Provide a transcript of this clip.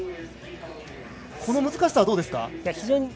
この難しさ、どうですか。